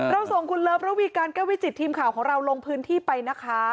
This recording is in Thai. ส่งคุณเลิฟระวีการแก้ววิจิตทีมข่าวของเราลงพื้นที่ไปนะคะ